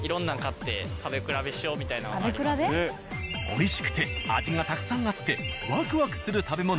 美味しくて味がたくさんあってワクワクする食べ物。